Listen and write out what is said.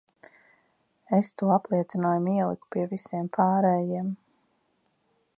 Es to apliecinājumu ieliku pie visiem pārējiem.